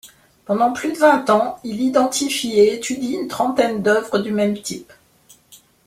Pendant plus de vingt-ans, il identifie et étudie une trentaine d’œuvres du même type.